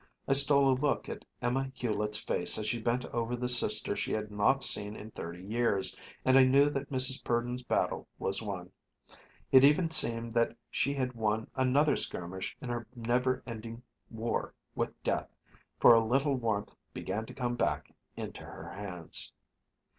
I stole a look at Emma Hulett's face as she bent over the sister she had not seen in thirty years, and I knew that Mrs. Purdon's battle was won. It even seemed that she had won another skirmish in her never ending war with death, for a little warmth began to come back into her hands.